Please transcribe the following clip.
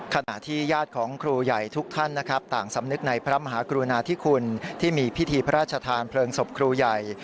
ขณะที่ญาติของครูใหญ่ทุกท่านนะครับต่างสำนึกในพระมหากรุณาธิคุณที่มีพิธีพระราชทานเพลิงศพครูใหญ่